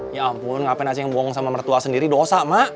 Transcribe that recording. ya ampun ngapain aceh yang bohong sama mertua sendiri dosa ma